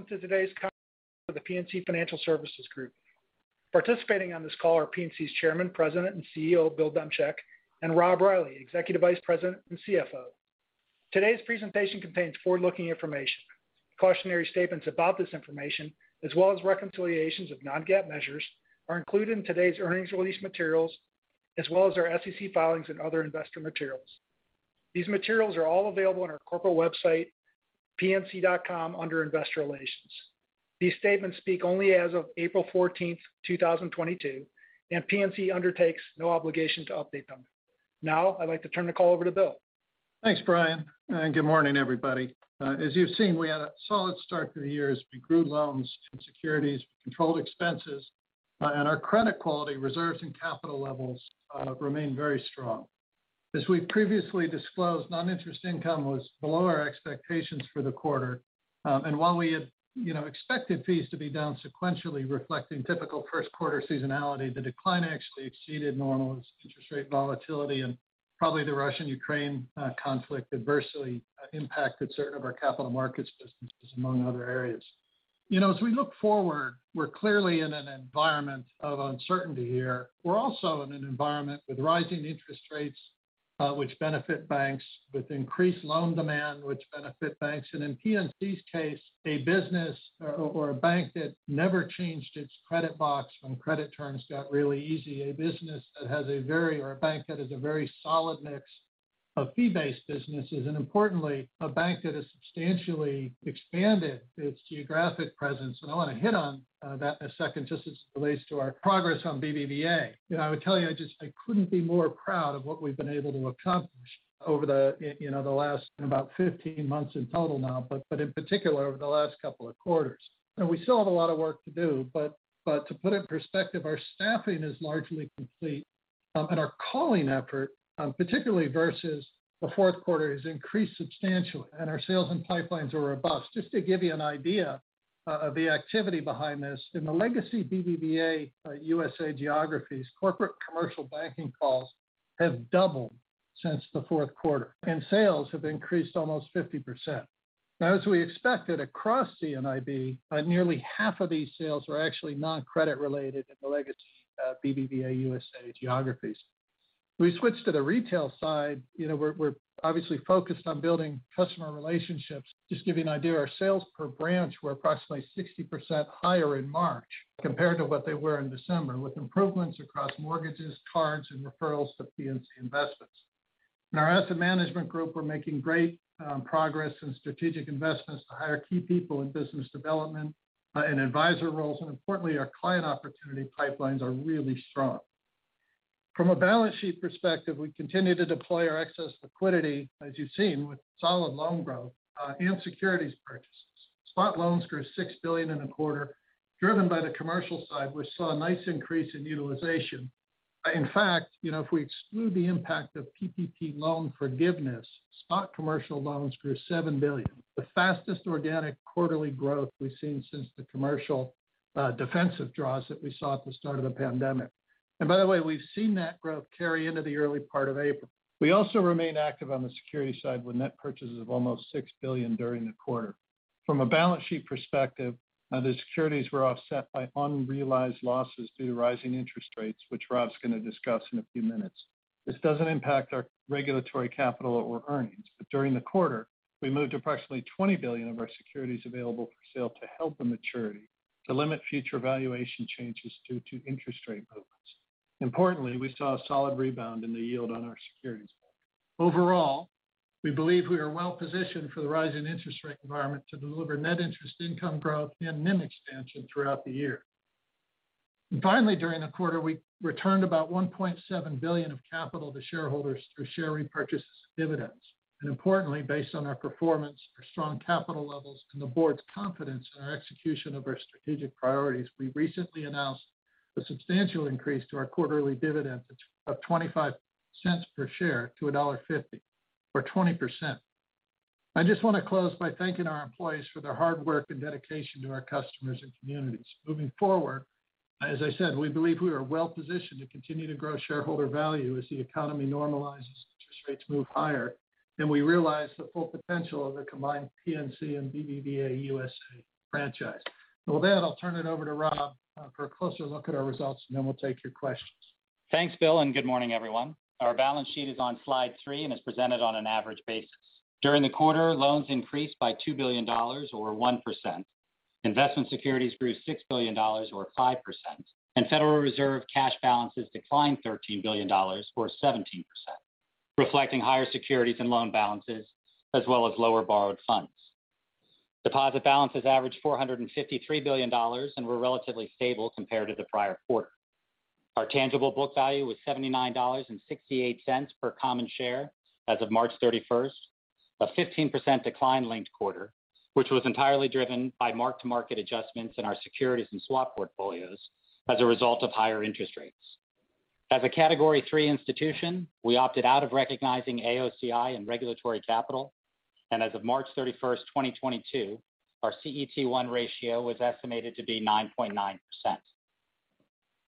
Welcom to today's conference call for the PNC Financial Services Group. Participating on this call are PNC's Chairman, President, and CEO, Bill Demchak, and Rob Reilly, Executive Vice President and CFO. Today's presentation contains forward-looking information. Cautionary statements about this information, as well as reconciliations of non-GAAP measures, are included in today's earnings release materials, as well as our SEC filings and other investor materials. These materials are all available on our corporate website, pnc.com, under Investor Relations. These statements speak only as of April 14th 2022, and PNC undertakes no obligation to update them. Now, I'd like to turn the call over to Bill. Thanks, Bryan, and good morning, everybody. As you've seen, we had a solid start to the year as we grew loans and securities, controlled expenses, and our credit quality reserves and capital levels remain very strong. As we previously disclosed, non-interest income was below our expectations for the quarter. While we had, you know, expected fees to be down sequentially, reflecting typical first quarter seasonality, the decline actually exceeded normal as interest rate volatility and probably the Russia-Ukraine conflict adversely impacted certain of our capital markets businesses, among other areas. You know, as we look forward, we're clearly in an environment of uncertainty here. We're also in an environment with rising interest rates, which benefit banks, with increased loan demand, which benefit banks, and in PNC's case, a bank that never changed its credit box when credit terms got really easy, a bank that has a very solid mix of fee-based businesses, and importantly, a bank that has substantially expanded its geographic presence. I want to hit on that in a second, just as it relates to our progress on BBVA. You know, I would tell you, I just couldn't be more proud of what we've been able to accomplish over the, you know, the last about 15 months in total now, but in particular, over the last couple of quarters. We still have a lot of work to do, but to put in perspective, our staffing is largely complete, and our calling effort, particularly versus the fourth quarter, has increased substantially, and our sales and pipelines are robust. Just to give you an idea of the activity behind this, in the legacy BBVA USA geographies, corporate commercial banking calls have doubled since the Q4, and sales have increased almost 50%. Now as we expected, across C&IB, nearly half of these sales are actually non-credit related in the legacy BBVA USA geographies. If we switch to the retail side, you know, we're obviously focused on building customer relationships. Just to give you an idea, our sales per branch were approximately 60% higher in March compared to what they were in December, with improvements across mortgages, cards, and referrals to PNC Investments. In our asset management group, we're making great progress in strategic investments to hire key people in business development and advisor roles, and importantly, our client opportunity pipelines are really strong. From a balance sheet perspective, we continue to deploy our excess liquidity, as you've seen, with solid loan growth and securities purchases. Spot loans grew $6 billion in a quarter, driven by the commercial side, which saw a nice increase in utilization. In fact, you know, if we exclude the impact of PPP loan forgiveness, spot commercial loans grew $7 billion, the fastest organic quarterly growth we've seen since the commercial defensive draws that we saw at the start of the pandemic. By the way, we've seen that growth carry into the early part of April. We also remain active on the securities side with net purchases of almost $6 billion during the quarter. From a balance sheet perspective, the securities were offset by unrealized losses due to rising interest rates, which Rob's going to discuss in a few minutes. This doesn't impact our regulatory capital or earnings. During the quarter, we moved approximately $20 billion of our securities available for sale to held-to-maturity to limit future valuation changes due to interest rate movements. Importantly, we saw a solid rebound in the yield on our securities. Overall, we believe we are well positioned for the rise in interest rate environment to deliver net interest income growth and NIM expansion throughout the year. Finally, during the quarter, we returned about $1.7 billion of capital to shareholders through share repurchases and dividends. Importantly, based on our performance, our strong capital levels, and the board's confidence in our execution of our strategic priorities, we recently announced a substantial increase to our quarterly dividend of $0.25 per share to $1.50, or 20%. I just want to close by thanking our employees for their hard work and dedication to our customers and communities. Moving forward, as I said, we believe we are well positioned to continue to grow shareholder value as the economy normalizes, interest rates move higher, and we realize the full potential of the combined PNC and BBVA USA franchise. With that, I'll turn it over to Rob for a closer look at our results, and then we'll take your questions. Thanks, Bill, and good morning, everyone. Our balance sheet is on slide three and is presented on an average basis. During the quarter, loans increased by $2 billion or 1%. Investment securities grew $6 billion or 5%. Federal Reserve cash balances declined $13 billion or 17%, reflecting higher securities and loan balances as well as lower borrowed funds. Deposit balances averaged $453 billion and were relatively stable compared to the prior quarter. Our tangible book value was $79.68 per common share as of March 31st, a 15% decline linked quarter, which was entirely driven by mark-to-market adjustments in our securities and swap portfolios as a result of higher interest rates. As a Category III institution, we opted out of recognizing AOCI in regulatory capital. As of March 31st 2022, our CET1 ratio was estimated to be 9.9%.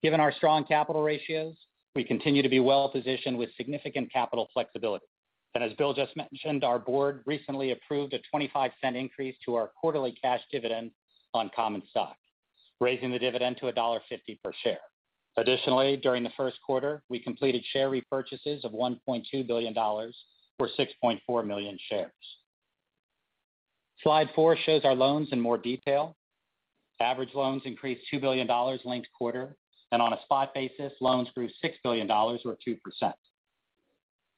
Given our strong capital ratios, we continue to be well-positioned with significant capital flexibility. As Bill just mentioned, our board recently approved a $0.25 increase to our quarterly cash dividend on common stock, raising the dividend to $1.50 per share. Additionally, during the Q1, we completed share repurchases of $1.2 billion or 6,400,000 shares. Slide four shows our loans in more detail. Average loans increased $2 billion linked quarter, and on a spot basis, loans grew $6 billion or 2%.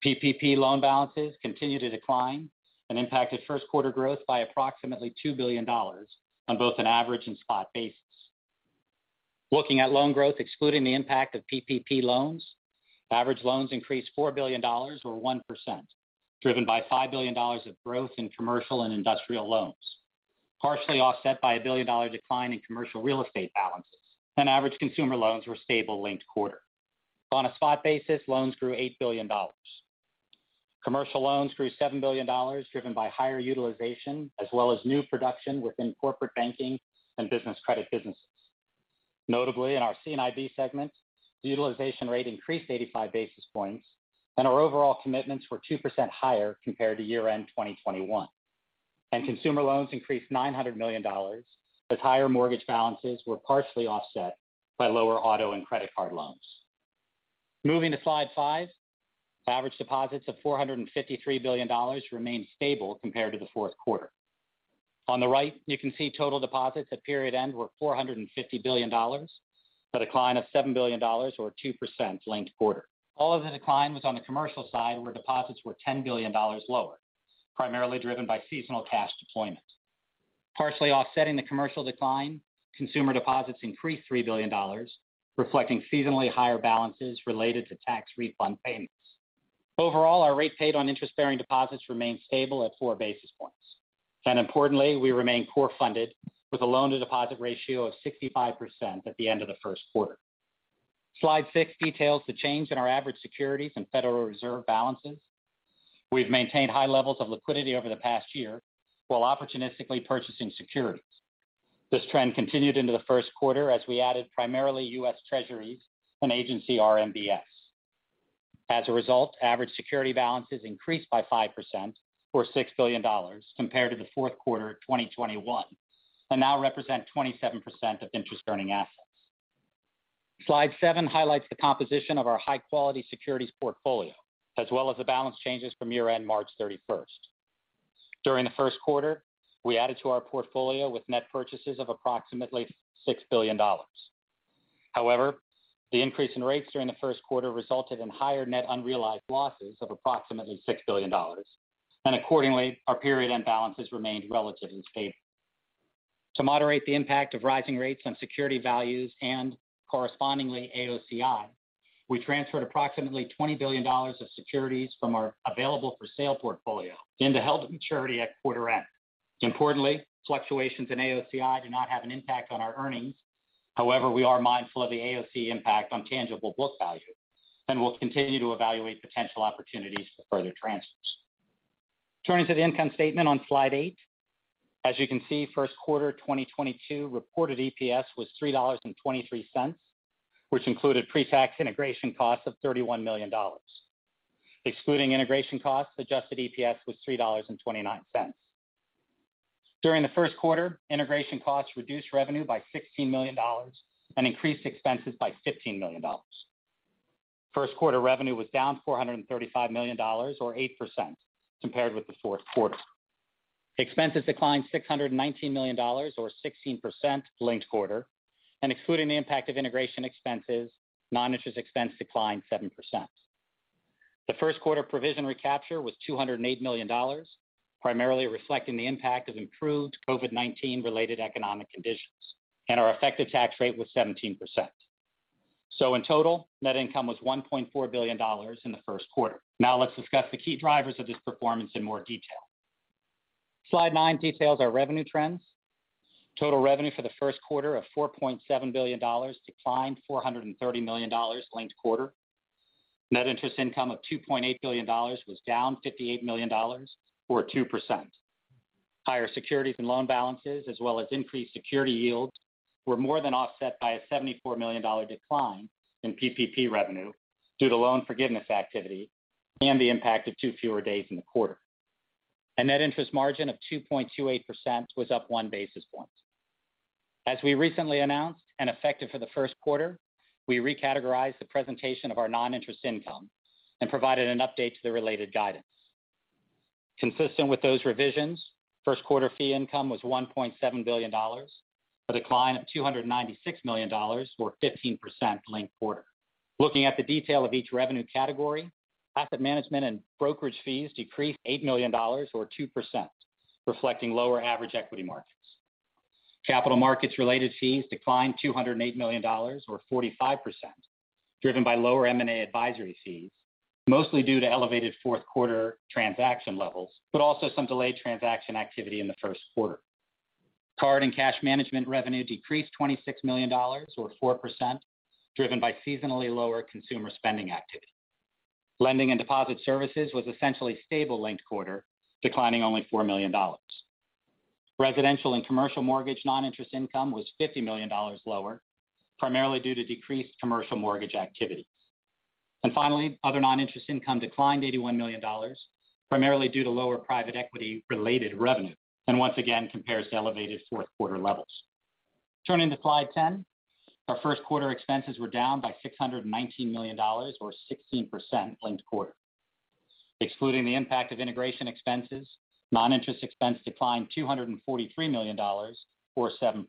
PPP loan balances continued to decline and impacted first quarter growth by approximately $2 billion on both an average and spot basis. Looking at loan growth, excluding the impact of PPP loans, average loans increased $4 billion or 1%, driven by $5 billion of growth in commercial and industrial loans, partially offset by a $1 billion decline in commercial real estate balances. Average consumer loans were stable linked-quarter. On a spot basis, loans grew $8 billion. Commercial loans grew $7 billion, driven by higher utilization as well as new production within corporate banking and business credit businesses. Notably, in our C&IB segments, the utilization rate increased 85 basis points, and our overall commitments were 2% higher compared to year-end 2021. Consumer loans increased $900 million, with higher mortgage balances partially offset by lower auto and credit card loans. Moving to slide five. Average deposits of $453 billion remained stable compared to the Q4. On the right, you can see total deposits at period end were $450 billion, a decline of $7 billion or 2% linked quarter. All of the decline was on the commercial side, where deposits were $10 billion lower, primarily driven by seasonal cash deployment. Partially offsetting the commercial decline, consumer deposits increased $3 billion, reflecting seasonally higher balances related to tax refund payments. Overall, our rate paid on interest-bearing deposits remained stable at 4 basis points. Importantly, we remain core funded with a loan-to-deposit ratio of 65% at the end of the Q1. Slide six details the change in our average securities and Federal Reserve balances. We've maintained high levels of liquidity over the past year while opportunistically purchasing securities. This trend continued into the Q1 as we added primarily U.S. Treasuries and agency RMBS. As a result, average security balances increased by 5% or $6 billion compared to the Q4 of 2021, and now represent 27% of interest-earning assets. Slide seven highlights the composition of our high-quality securities portfolio, as well as the balance changes from year-end March 31st. During the Q1, we added to our portfolio with net purchases of approximately $6 billion. However, the increase in rates during the Q1 resulted in higher net unrealized losses of approximately $6 billion, and accordingly, our period-end balances remained relatively stable. To moderate the impact of rising rates on security values and correspondingly AOCI, we transferred approximately $20 billion of securities from our available-for-sale portfolio into held maturity at quarter end. Importantly, fluctuations in AOCI do not have an impact on our earnings. However, we are mindful of the AOCI impact on tangible book value, and we'll continue to evaluate potential opportunities for further transfers. Turning to the income statement on slide eight. As you can see, Q1 2022 reported EPS was $3.23, which included pre-tax integration costs of $31 million. Excluding integration costs, adjusted EPS was $3.29. During the Q1, integration costs reduced revenue by $16 million and increased expenses by $15 million. Q1 revenue was down $435 million or 8% compared with the Q4. Expenses declined $619 million or 16% linked quarter, and excluding the impact of integration expenses, non-interest expense declined 7%. The Q1 provision recapture was $208 million, primarily reflecting the impact of improved COVID-19 related economic conditions, and our effective tax rate was 17%. In total, net income was $1.4 billion in the Q1. Now let's discuss the key drivers of this performance in more detail. Slide nine details our revenue trends. Total revenue for the Q1 of $4.7 billion declined $430 million linked quarter. Net interest income of $2.8 billion was down $58 million or 2%. Higher securities and loan balances as well as increased security yields were more than offset by a $74 million decline in PPP revenue due to loan forgiveness activity and the impact of two fewer days in the quarter. A net interest margin of 2.28% was up 1 basis point. As we recently announced and effective for the Q1, we recategorized the presentation of our non-interest income and provided an update to the related guidance. Consistent with those revisions, Q1 fee income was $1.7 billion, a decline of $296 million or 15% linked quarter. Looking at the detail of each revenue category, asset management and brokerage fees decreased $8 million or 2%, reflecting lower average equity margins. Capital markets-related fees declined $208 million or 45%, driven by lower M&A advisory fees, mostly due to elevated Q4 transaction levels, but also some delayed transaction activity in the Q1. Card and cash management revenue decreased $26 million or 4%, driven by seasonally lower consumer spending activity. Lending and deposit services was essentially stable linked quarter, declining only $4 million. Residential and commercial mortgage non-interest income was $50 million lower, primarily due to decreased commercial mortgage activity. Finally, other non-interest income declined $81 million, primarily due to lower private equity related revenue, and once again compares to elevated Q4 levels. Turning to slide 10. Our Q1 expenses were down by $619 million or 16% linked quarter. Excluding the impact of integration expenses, non-interest expense declined $243 million or 7%.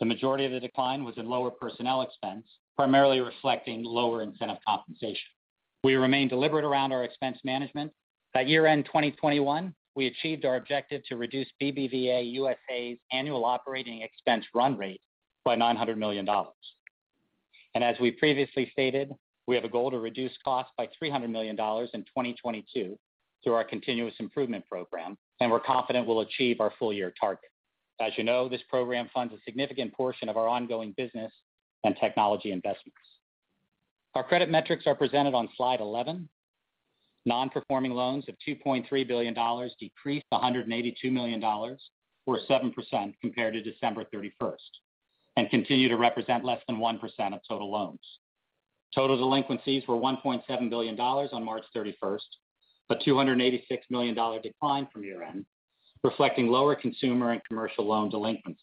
The majority of the decline was in lower personnel expense, primarily reflecting lower incentive compensation. We remain deliberate around our expense management. At year-end 2021, we achieved our objective to reduce BBVA USA's annual operating expense run rate by $900 million. As we previously stated, we have a goal to reduce costs by $300 million in 2022 through our continuous improvement program, and we're confident we'll achieve our full year target. As you know, this program funds a significant portion of our ongoing business and technology investments. Our credit metrics are presented on slide 11. Non-performing loans of $2.3 billion decreased $182 million or 7% compared to December 31st and continue to represent less than 1% of total loans. Total delinquencies were $1.7 billion on March 31st a $286 million decline from year-end, reflecting lower consumer and commercial loan delinquencies.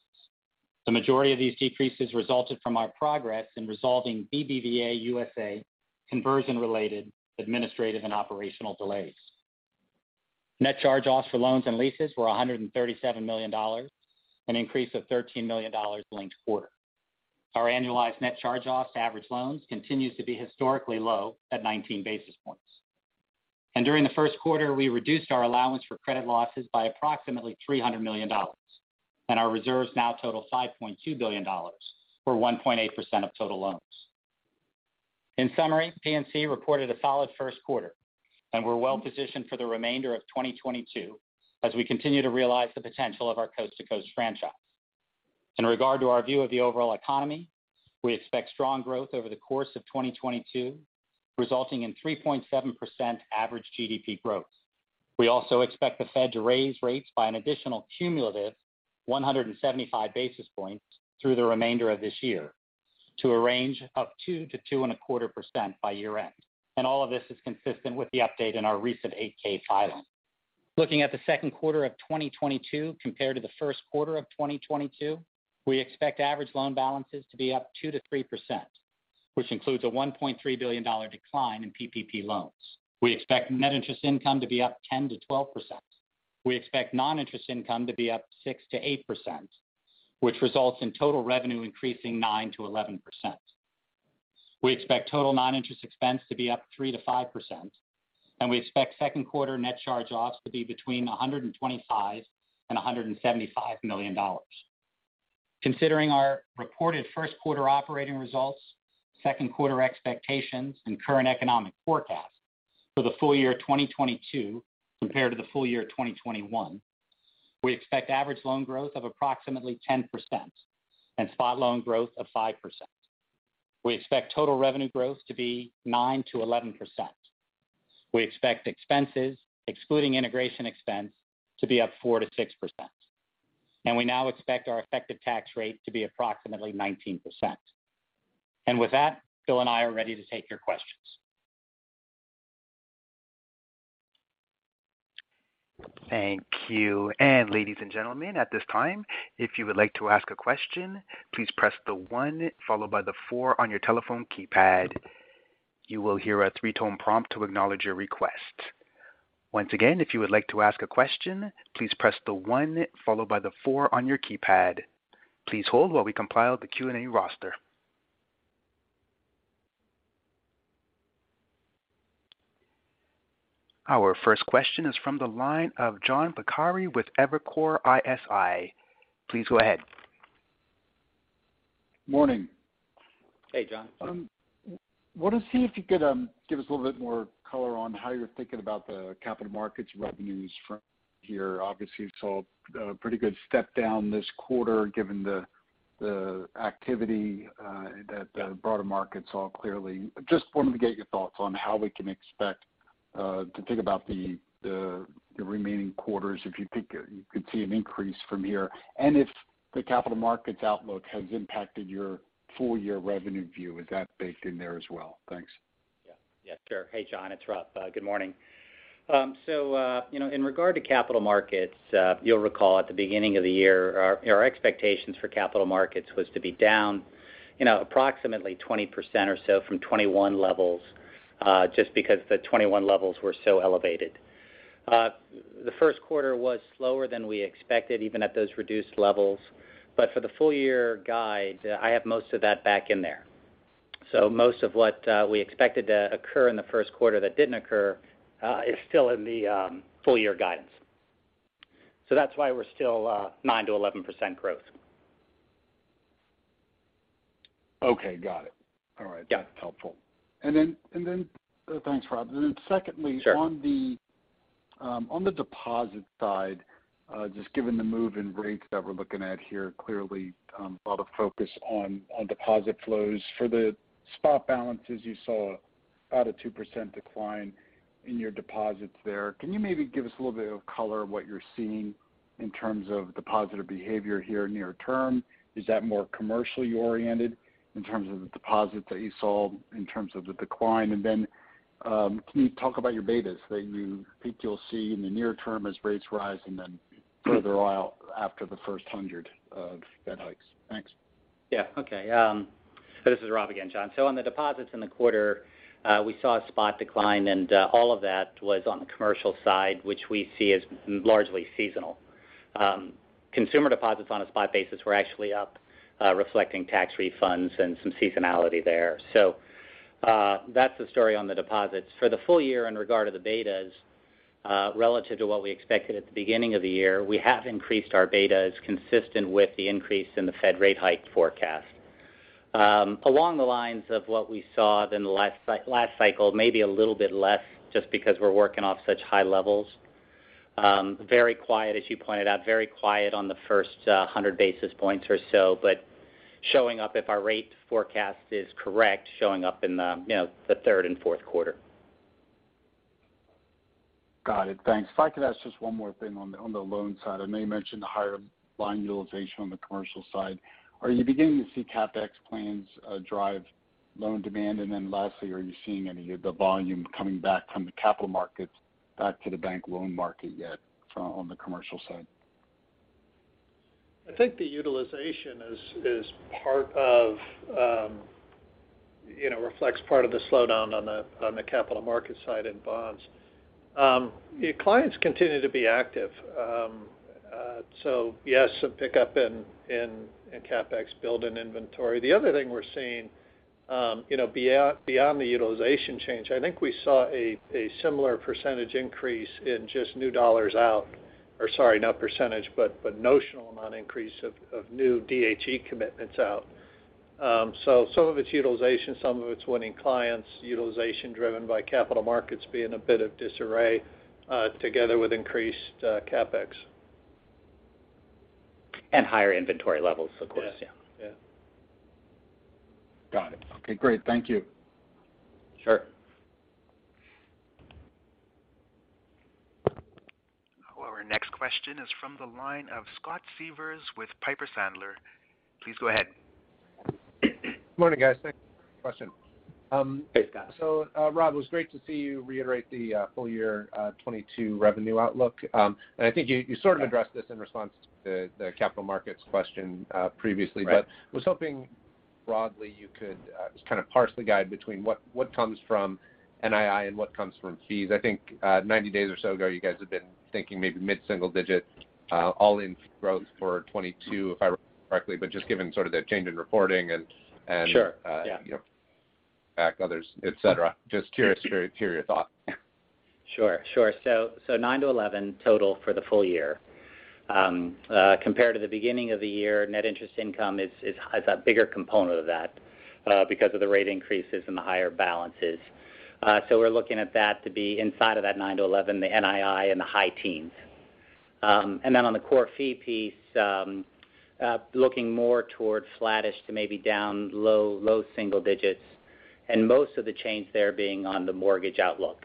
The majority of these decreases resulted from our progress in resolving BBVA USA conversion-related administrative and operational delays. Net charge-offs for loans and leases were $137 million, an increase of $13 million linked quarter. Our annualized net charge-offs to average loans continues to be historically low at 19 basis points. During the Q1, we reduced our allowance for credit losses by approximately $300 million, and our reserves now total $5.2 billion, or 1.8% of total loans. In summary, PNC reported a solid Q1, and we're well-positioned for the remainder of 2022 as we continue to realize the potential of our coast-to-coast franchise. In regard to our view of the overall economy, we expect strong growth over the course of 2022, resulting in 3.7% average GDP growth. We also expect the Fed to raise rates by an additional cumulative 175 basis points through the remainder of this year to a range of 2%-2.25% by year-end. All of this is consistent with the update in our recent 8-K filing. Looking at the Q2 of 2022 compared to the Q1 of 2022, we expect average loan balances to be up 2%-3%, which includes a $1.3 billion decline in PPP loans. We expect net interest income to be up 10%-12%. We expect non-interest income to be up 6%-8%, which results in total revenue increasing 9%-11%. We expect total non-interest expense to be up 3%-5%, and we expect Q2 net charge-offs to be between $125 million and $175 million. Considering our reported Q1 operating results, Q2 expectations, and current economic forecasts for the full year 2022 compared to the full year 2021, we expect average loan growth of approximately 10% and spot loan growth of 5%. We expect total revenue growth to be 9%-11%. We expect expenses, excluding integration expense, to be up 4%-6%. We now expect our effective tax rate to be approximately 19%. With that, Bill and I are ready to take your questions. Thank you. Ladies and gentlemen, at this time, if you would like to ask a question, please press the one followed by the four on your telephone keypad. You will hear a three-tone prompt to acknowledge your request. Once again, if you would like to ask a question, please press the one followed by the four on your keypad. Please hold while we compile the Q&A roster. Our first question is from the line of John Pancari with Evercore ISI. Please go ahead. Morning. Hey, John. I want to see if you could give us a little bit more color on how you're thinking about the capital markets revenues from here. Obviously, you saw a pretty good step down this quarter given the activity that the broader market saw clearly. Just wanted to get your thoughts on how we can expect to think about the remaining quarters, if you think you could see an increase from here, and if the capital markets outlook has impacted your full year revenue view. Is that baked in there as well? Thanks. Yeah. Yeah, sure. Hey, John, it's Rob. Good morning. You know, in regard to capital markets, you'll recall at the beginning of the year, our expectations for capital markets was to be down, you know, approximately 20% or so from 2021 levels, just because the 2021 levels were so elevated. The Q1 was slower than we expected, even at those reduced levels. For the full year guide, I have most of that back in there. Most of what we expected to occur in the Q1 that didn't occur is still in the full year guidance. That's why we're still 9%-11% growth. Okay, got it. All right. Yeah. That's helpful. Thanks, Rob. Secondly- Sure. On the deposit side, just given the move in rates that we're looking at here, clearly, a lot of focus on deposit flows. For the spot balances you saw About a 2% decline in your deposits there. Can you maybe give us a little bit of color on what you're seeing in terms of depositor behavior here in the near term? Is that more commercially oriented in terms of the deposit that you saw in terms of the decline? Then, can you talk about your betas that you think you'll see in the near term as rates rise and then further out after the first 100 of Fed hikes? Thanks. This is Rob again, John. On the deposits in the quarter, we saw a spot decline, and all of that was on the commercial side, which we see as largely seasonal. Consumer deposits on a spot basis were actually up, reflecting tax refunds and some seasonality there. That's the story on the deposits. For the full year in regard to the betas, relative to what we expected at the beginning of the year, we have increased our betas consistent with the increase in the Fed rate hike forecast. Along the lines of what we saw in the last cycle, maybe a little bit less just because we're working off such high levels. Very quiet as you pointed out, very quiet on the first 100 basis points or so. Showing up, if our rate forecast is correct, in the, you know, the third and Q4. Got it. Thanks. If I could ask just one more thing on the loan side. I know you mentioned the higher line utilization on the commercial side. Are you beginning to see CapEx plans drive loan demand? Lastly, are you seeing any of the volume coming back from the capital markets back to the bank loan market yet on the commercial side? I think the utilization is part of reflects part of the slowdown on the capital market side in bonds. Your clients continue to be active. Yes, some pickup in CapEx build and inventory. The other thing we're seeing beyond the utilization change, I think we saw a similar percentage increase in just new dollars out. Or sorry, not percentage, but notional amount increase of new DHE commitments out. Some of it's utilization, some of it's winning clients, utilization driven by capital markets being a bit of disarray together with increased CapEx. Higher inventory levels, of course. Yeah. Yeah. Got it. Okay, great. Thank you. Sure. Our next question is from the line of Scott Siefers with Piper Sandler. Please go ahead. Morning, guys. Thanks for taking my question. Hey, Scott. Rob, it was great to see you reiterate the full year 2022 revenue outlook. I think you sort of addressed this in response to the capital markets question previously. Right. I was hoping broadly you could just kind of parse the guide between what comes from NII and what comes from fees. I think 90 days or so ago, you guys had been thinking maybe mid-single-digit all in growth for 2022, if I remember correctly. Just given sort of the change in reporting and- Sure. Yeah You know, back others, et cetera. Just curious to hear your thought. Sure. 9%-11% total for the full year. Compared to the beginning of the year, net interest income is a bigger component of that, because of the rate increases and the higher balances. We're looking at that to be inside of that 9%-11%, the NII in the high teens. Then on the core fee piece, looking more toward flattish to maybe down low single digits, and most of the change there being on the mortgage outlook,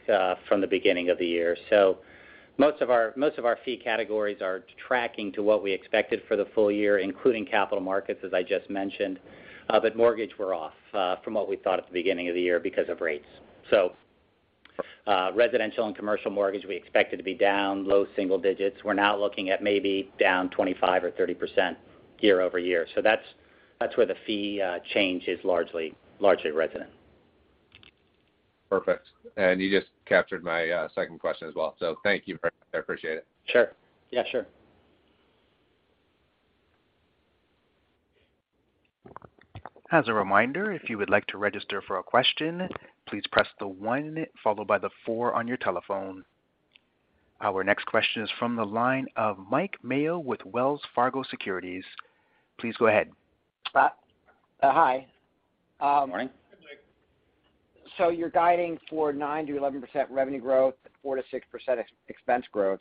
from the beginning of the year. Most of our fee categories are tracking to what we expected for the full year, including capital markets, as I just mentioned. Mortgage, we're off, from what we thought at the beginning of the year because of rates. Residential and commercial mortgage, we expected to be down low single-digits. We're now looking at maybe down 25% or 30% year-over-year. That's where the fee change is largely residential. Perfect. You just captured my second question as well. Thank you for that. I appreciate it. Sure. Yeah, sure. As a reminder, if you would like to register for a question, please press 1 followed by 4 on your telephone. Our next question is from the line of Mike Mayo with Wells Fargo Securities. Please go ahead. Hi. Morning. Hi, Mike. You're guiding for 9%-11% revenue growth, 4%-6% expense growth.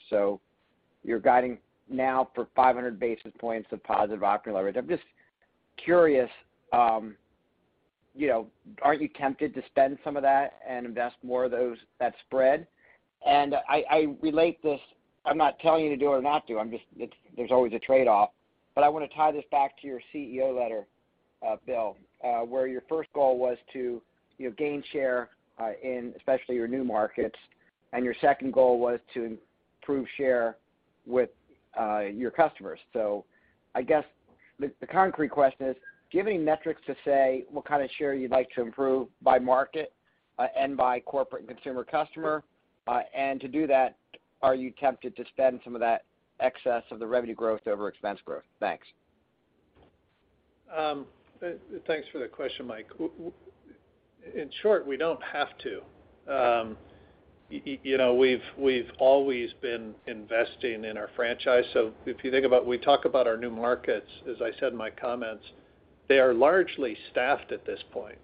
You're guiding now for 500 basis points of positive operating leverage. I'm just curious, you know, aren't you tempted to spend some of that and invest more of that spread? I relate this, I'm not telling you to do or not do, I'm just, it's, there's always a trade-off. I want to tie this back to your CEO letter, Bill, where your first goal was to, you know, gain share in especially your new markets. Your second goal was to improve share with your customers. I guess the concrete question is, giving metrics to say what kind of share you'd like to improve by market and by corporate and consumer customer. To do that, are you tempted to spend some of that excess of the revenue growth over expense growth? Thanks. Thanks for the question, Mike. In short, we don't have to. You know, we've always been investing in our franchise. If you think about, we talk about our new markets, as I said in my comments, they are largely staffed at this point.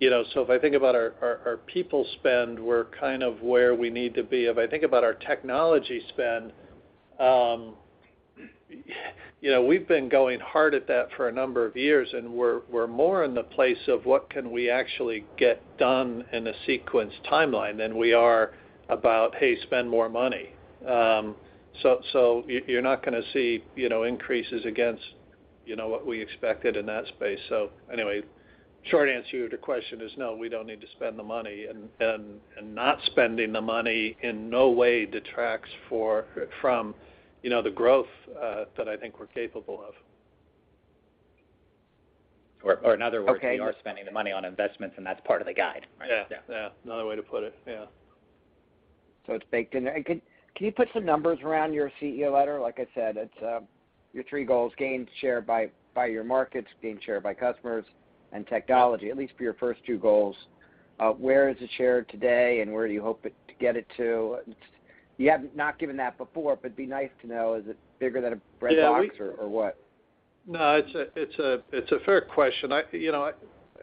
You know, if I think about our people spend, we're kind of where we need to be. If I think about our technology spend, you know, we've been going hard at that for a number of years, and we're more in the place of what can we actually get done in a sequence timeline than we are about, hey, spend more money. You're not gonna see, you know, increases against, you know, what we expected in that space. Anyway, short answer to your question is no, we don't need to spend the money. Not spending the money in no way detracts from, you know, the growth that I think we're capable of. In other words. Okay. We are spending the money on investments, and that's part of the guide, right? Yeah. Yeah. Yeah. Another way to put it, yeah. It's baked in there. Can you put some numbers around your CEO letter? Like I said, it's your three goals, gain share by your markets, gain share by customers and technology. At least for your first two goals, where is the share today, and where do you hope it to get it to? You have not given that before, but it'd be nice to know, is it bigger than a breadbox? Yeah, we-. Or what? No, it's a fair question. You know,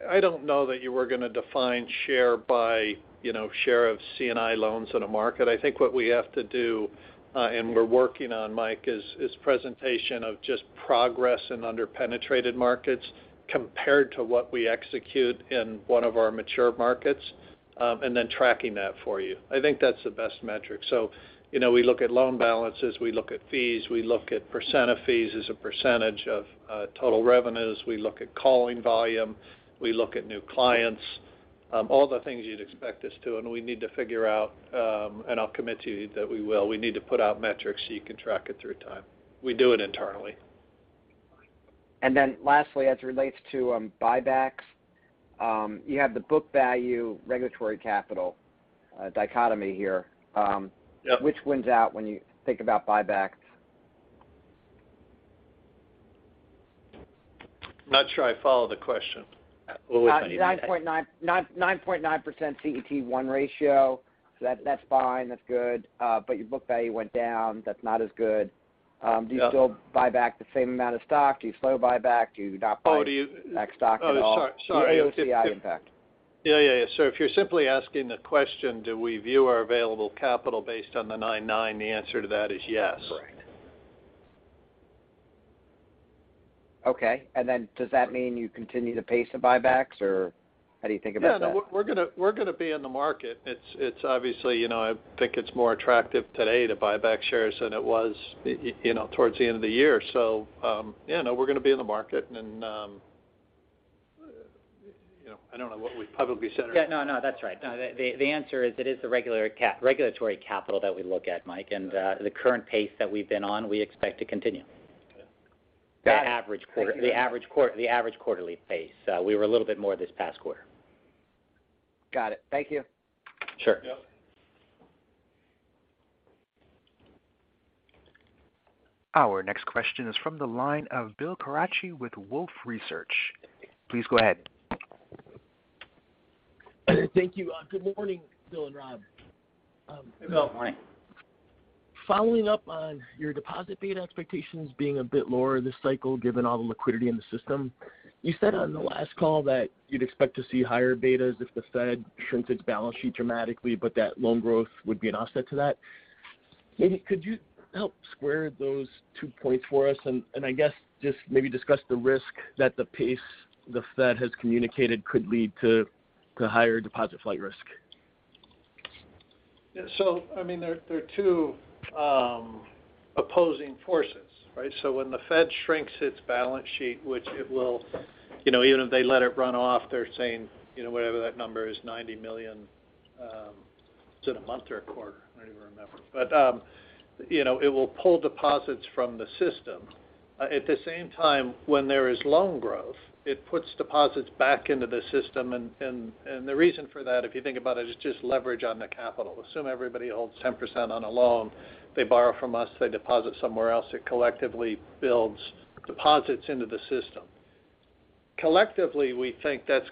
I don't know that you were gonna define share by, you know, share of C&I loans in a market. I think what we have to do, and we're working on, Mike, is presentation of just progress in under-penetrated markets compared to what we execute in one of our mature markets, and then tracking that for you. I think that's the best metric. You know, we look at loan balances, we look at fees, we look at percent of fees as a percentage of total revenues. We look at calling volume. We look at new clients, all the things you'd expect us to, and we need to figure out, and I'll commit to you that we will, we need to put out metrics so you can track it through time. We do it internally. Lastly, as it relates to buybacks, you have the book value regulatory capital dichotomy here. Yeah. Which wins out when you think about buybacks? I'm not sure I follow the question. Well, let me. 9.9% CET1 ratio. That's fine. That's good. Your book value went down. That's not as good. Yeah. Do you still buy back the same amount of stock? Do you slow buyback? Do you not buy- Oh, do you? Back stock at all? Oh, sorry. The AOCI impact. Yeah. If you're simply asking the question, do we view our available capital based on the 99, the answer to that is yes. Right. Okay. Does that mean you continue the pace of buybacks, or how do you think about that? Yeah. No, we're gonna be in the market. It's obviously, you know, I think it's more attractive today to buy back shares than it was you know, towards the end of the year. Yeah, no, we're gonna be in the market and, you know, I don't know what we've publicly said or- Yeah. No, that's right. No, the answer is it is the regular regulatory capital that we look at, Mike. The current pace that we've been on, we expect to continue. Okay. Got it. Thank you. The average quarter- The average quarterly pace. We were a little bit more this past quarter. Got it. Thank you. Sure. Yep. Our next question is from the line of Bill Carcache with Wolfe Research. Please go ahead. Thank you. Good morning, Bill and Rob. Hey, Bill. Good morning. Following up on your deposit beta expectations being a bit lower this cycle given all the liquidity in the system, you said on the last call that you'd expect to see higher betas if the Fed shrinks its balance sheet dramatically, but that loan growth would be an offset to that. Maybe could you help square those two points for us? I guess just maybe discuss the risk that the pace the Fed has communicated could lead to higher deposit flight risk. I mean, there are two opposing forces, right? When the Fed shrinks its balance sheet, which it will, you know, even if they let it run off, they're saying, you know, whatever that number is, 90,000,000, is it a month or a quarter? I don't even remember. You know, it will pull deposits from the system. At the same time, when there is loan growth, it puts deposits back into the system. The reason for that, if you think about it, is just leverage on the capital. Assume everybody holds 10% on a loan. They borrow from us. They deposit somewhere else. It collectively builds deposits into the system. Collectively, we think that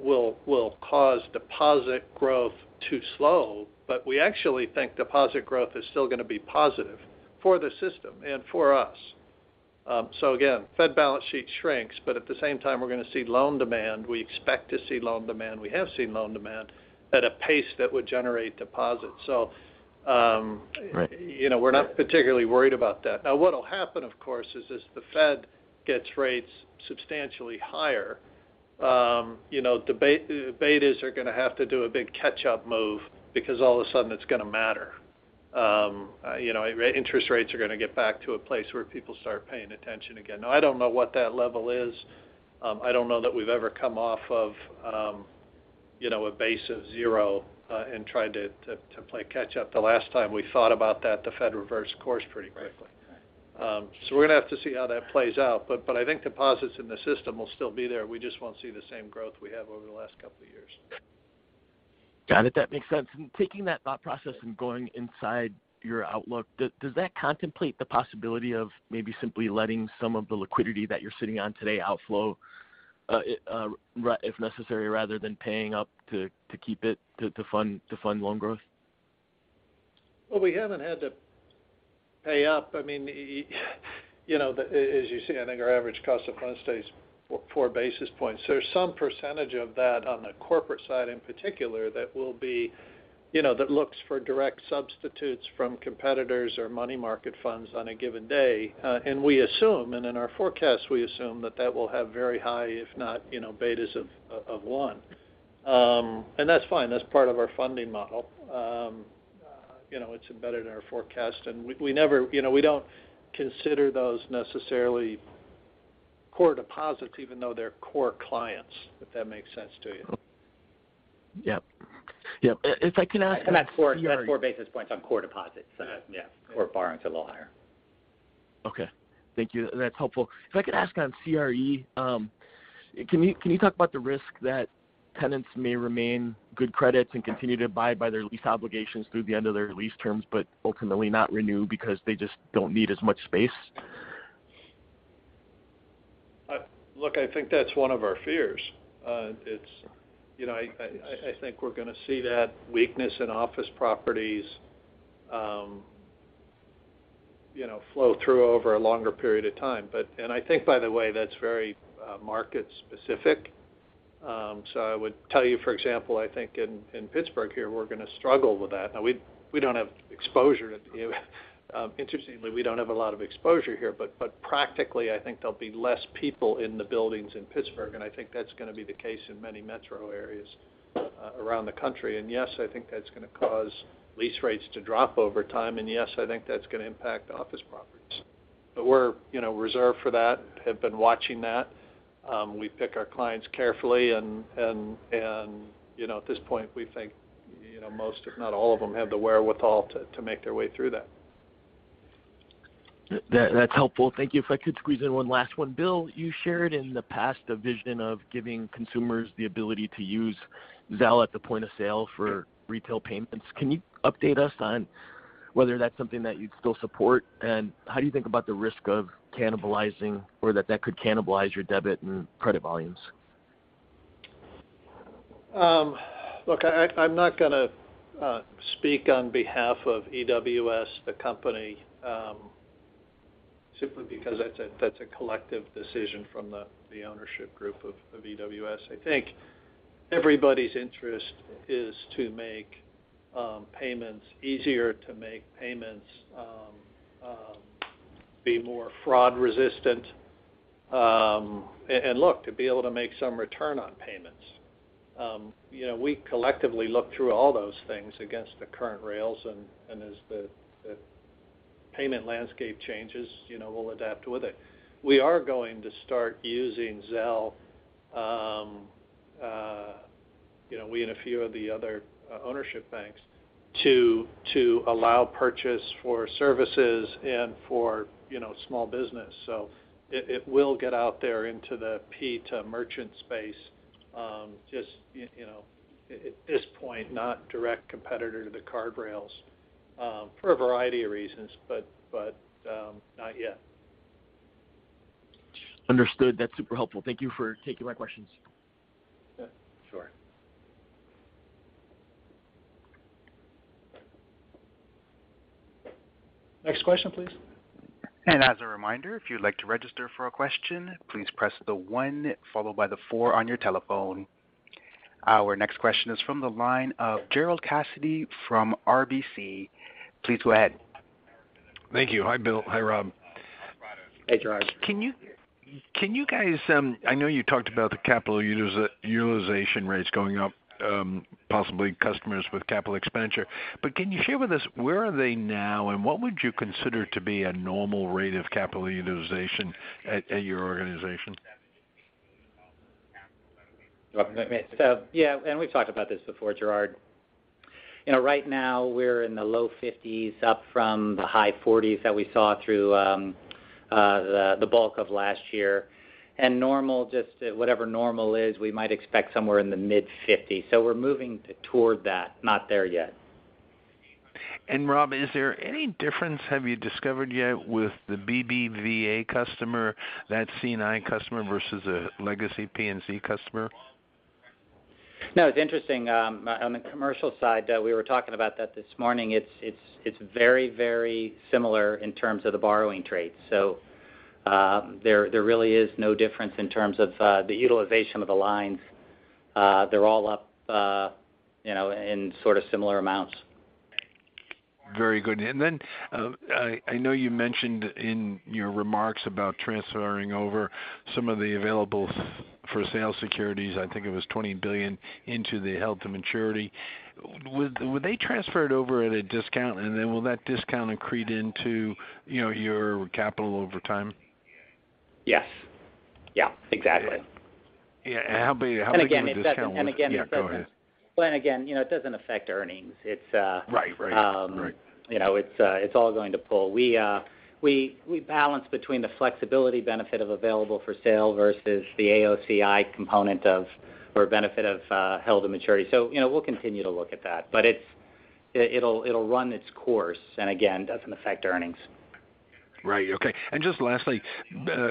will cause deposit growth to slow, but we actually think deposit growth is still gonna be positive for the system and for us. Again, Fed balance sheet shrinks, but at the same time, we're gonna see loan demand. We expect to see loan demand. We have seen loan demand at a pace that would generate deposits. Right You know, we're not particularly worried about that. Now what'll happen, of course, is as The Fed gets rates substantially higher, you know, the betas are gonna have to do a big catch-up move because all of a sudden it's gonna matter. You know, interest rates are gonna get back to a place where people start paying attention again. Now, I don't know what that level is. I don't know that we've ever come off of, you know, a base of zero, and tried to play catch up. The last time we thought about that, The Fed reversed course pretty quickly. Right. Right. We're gonna have to see how that plays out, but I think deposits in the system will still be there. We just won't see the same growth we have over the last couple of years. Got it. That makes sense. Taking that thought process and going inside your outlook, does that contemplate the possibility of maybe simply letting some of the liquidity that you're sitting on today outflow if necessary, rather than paying up to keep it to fund loan growth? Well, we haven't had to pay up. I mean, you know, as you see, I think our average cost of fund stays four basis points. There's some percentage of that on the corporate side, in particular, that will be, you know, that looks for direct substitutes from competitors or money market funds on a given day. We assume, and in our forecast, we assume that will have very high, if not, you know, betas of one. That's fine. That's part of our funding model. You know, it's embedded in our forecast and we never, you know, we don't consider those necessarily core deposits even though they're core clients, if that makes sense to you. Yep. If I can ask-. That's four basis points on core deposits. So yeah, core borrowing's a little higher. Okay. Thank you. That's helpful. If I could ask on CRE, can you talk about the risk that tenants may remain good credits and continue to abide by their lease obligations through the end of their lease terms, but ultimately not renew because they just don't need as much space? Look, I think that's one of our fears. It's, you know, I think we're gonna see that weakness in office properties, you know, flow through over a longer period of time. I think, by the way, that's very market specific. I would tell you, for example, I think in Pittsburgh here, we're gonna struggle with that. We don't have exposure. You know, interestingly, we don't have a lot of exposure here. Practically, I think there'll be less people in the buildings in Pittsburgh, and I think that's gonna be the case in many metro areas around the country. Yes, I think that's gonna cause lease rates to drop over time. Yes, I think that's gonna impact office properties. We're, you know, reserved for that, have been watching that. We pick our clients carefully and you know, at this point, we think, you know, most, if not all of them, have the wherewithal to make their way through that. That's helpful. Thank you. If I could squeeze in one last one. Bill, you shared in the past a vision of giving consumers the ability to use Zelle at the point of sale for retail payments. Can you update us on whether that's something that you'd still support? How do you think about the risk of cannibalizing or that could cannibalize your debit and credit volumes? Look, I'm not gonna speak on behalf of EWS, the company, simply because that's a collective decision from the ownership group of EWS. I think everybody's interest is to make payments easier, to make payments be more fraud resistant, and look to be able to make some return on payments. You know, we collectively look through all those things against the current rails, and as the payment landscape changes, you know, we'll adapt with it. We are going to start using Zelle, you know, we and a few of the other ownership banks to allow purchase for services and for, you know, small business. It will get out there into the P to merchant space, just you know at this point not direct competitor to the card rails for a variety of reasons, but not yet. Understood. That's super helpful. Thank you for taking my questions. Yeah, sure. Next question, please. As a reminder, if you'd like to register for a question, please press the one followed by the four on your telephone. Our next question is from the line of Gerard Cassidy from RBC. Please go ahead. Thank you. Hi, Bill. Hi, Rob. Hey, Gerard. Can you guys, I know you talked about the capital utilization rates going up, possibly customers with capital expenditure. Can you share with us where are they now, and what would you consider to be a normal rate of capital utilization at your organization? Yeah, we've talked about this before, Gerard. You know, right now we're in the low 50s, up from the high 40s that we saw through the bulk of last year. Normal, just whatever normal is, we might expect somewhere in the mid-50s. We're moving toward that. Not there yet. Rob, is there any difference you have discovered yet with the BBVA customer, that C&I customer versus a legacy PNC customer? No, it's interesting. On the commercial side, we were talking about that this morning. It's very similar in terms of the borrowing traits. There really is no difference in terms of the utilization of the lines. They're all up, you know, in sort of similar amounts. Very good. I know you mentioned in your remarks about transferring over some of the available for sale securities, I think it was $20 billion into the held to maturity. Would they transfer it over at a discount? Will that discount accrete into, you know, your capital over time? Yes. Yeah, exactly. Yeah. How big of a discount was- Again, it doesn't. Yeah, go ahead. Well, again, you know, it doesn't affect earnings. It's- Right. You know, it's all going to pull. We balance between the flexibility benefit of available for sale versus the AOCI component or benefit of held to maturity. You know, we'll continue to look at that. It's. It'll run its course, and again, doesn't affect earnings. Right. Okay. Just lastly,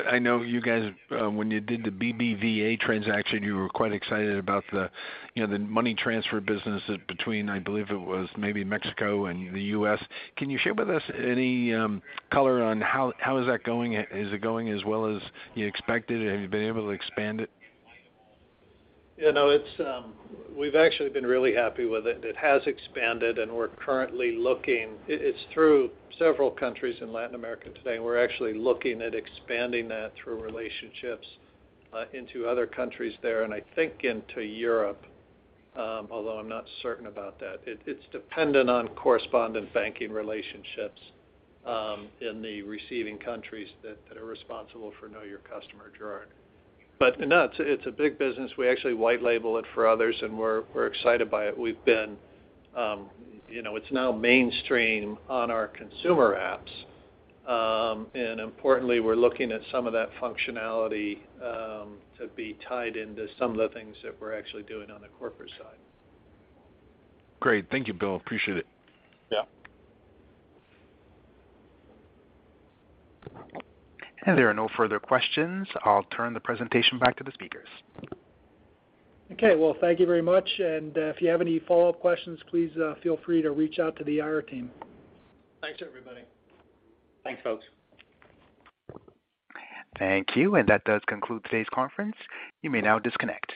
I know you guys, when you did the BBVA transaction, you were quite excited about the, you know, the money transfer business between, I believe it was maybe Mexico and the U.S. Can you share with us any color on how that is going? Is it going as well as you expected? Have you been able to expand it? You know, it's. We've actually been really happy with it. It has expanded, and we're currently looking. It's through several countries in Latin America today, and we're actually looking at expanding that through relationships into other countries there, and I think into Europe, although I'm not certain about that. It's dependent on correspondent banking relationships in the receiving countries that are responsible for know your customer, Gerard. No, it's a big business. We actually white label it for others, and we're excited by it. We've been, you know, it's now mainstream on our consumer apps. Importantly, we're looking at some of that functionality to be tied into some of the things that we're actually doing on the corporate side. Great. Thank you, Bill. Appreciate it. Yeah. There are no further questions. I'll turn the presentation back to the speakers. Okay. Well, thank you very much. If you have any follow-up questions, please, feel free to reach out to the IR team. Thanks, everybody. Thanks, folks. Thank you. That does conclude today's conference. You may now disconnect.